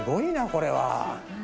これは。